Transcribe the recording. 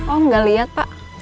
oh gak liat pak